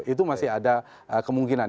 itu masih ada kemungkinan